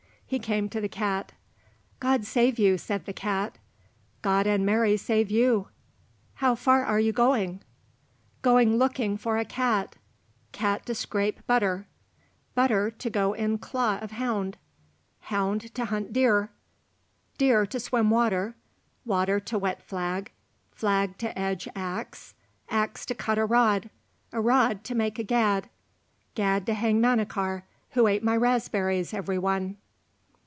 He came to the cat. "God save you," said the cat. "God and Mary save you." "How far are you going?" "Going looking for a cat, cat to scrape butter, butter to go in claw of hound, hound to hunt deer, deer to swim water, water to wet flag, flag to edge axe, axe to cut a rod, a rod to make a gad, gad to hang Manachar, who ate my raspberries every one."